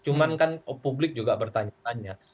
cuman kan publik juga bertanya tanya